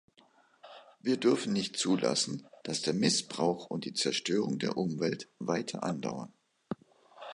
Wir dürfen nicht zulassen, dass der Missbrauch und die Zerstörung der Umwelt weiter andauern.